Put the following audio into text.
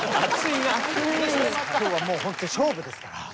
今日はもう本当に勝負ですから。